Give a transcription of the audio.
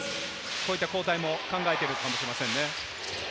こういった交代も考えているかもしれませんね。